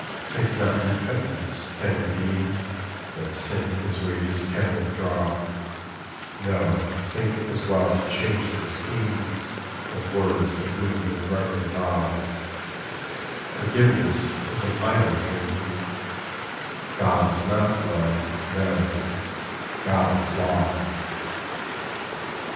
Think not repentance can redeem, That sin his wages can withdraw; No, think as well to change the scheme Of worlds that move in reverent awe; Forgiveness is an idle dream, God is not love, no, God is law.